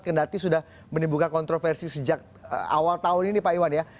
karena itu sudah menimbulkan kontroversi sejak awal tahun ini pak iwan ya